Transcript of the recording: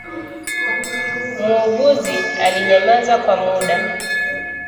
Muuguzi alinyamaza kwa muda